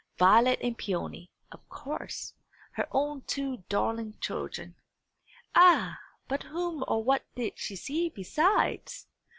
Violet and Peony, of course, her own two darling children. Ah, but whom or what did she see besides?